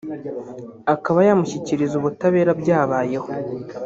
akaba yamushyikiriza ubutabera byabayeho